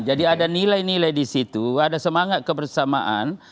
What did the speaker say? jadi ada nilai nilai di situ ada semangat kebersamaan